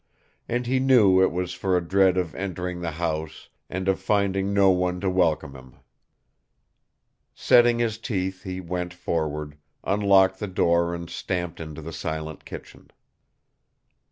And he knew it for a dread of entering the house and of finding no one to welcome him. Setting his teeth he went forward, unlocked the door and stamped into the silent kitchen.